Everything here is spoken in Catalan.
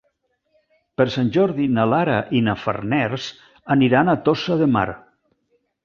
Per Sant Jordi na Lara i na Farners aniran a Tossa de Mar.